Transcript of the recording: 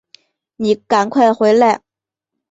妳赶快回来